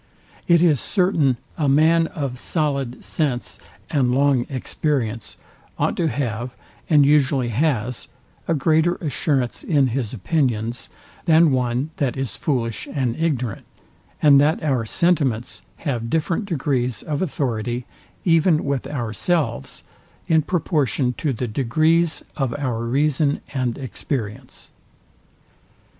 It is certain a man of solid sense and long experience ought to have, and usually has, a greater assurance in his opinions, than one that is foolish and ignorant, and that our sentiments have different degrees of authority, even with ourselves, in proportion to the degrees of our reason and experience.